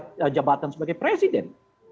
mengejar jabatan sebagai presiden